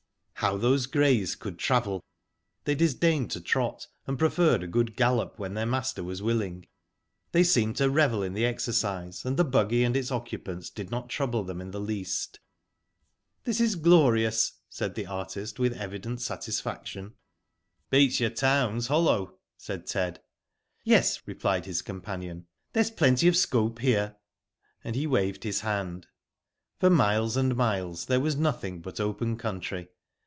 How those greys could travel. They disdained to trot, and preferred a good gallop when their master was willing. They seemed to revel in the exercise, and the buggy and its occupants did not trouble them in the least. Digitized byGoogk THE ARTIST, 57 "This is glorious," said the artist, with evident satisfaction. Beats your towns hollow," said Ted. ••Yes," replied his companion, '* there's plenty of scope here," and he waved his hand. For miles and miles there was nothing but open country.